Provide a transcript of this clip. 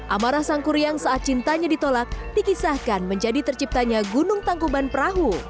amarah sang kuriang saat cintanya ditolak dikisahkan menjadi terciptanya gunung tangkuban perahu